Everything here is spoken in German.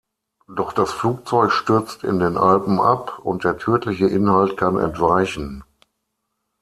Doch das Flugzeug stürzt in den Alpen ab und der tödliche Inhalt kann entweichen.